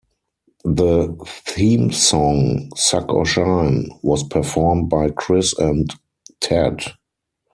The theme song, "Suk or Shine," was performed by Chris and Tad.